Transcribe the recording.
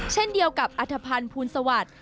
เช่นเดียวกับอัธพันธ์ภูลสวัสดิ์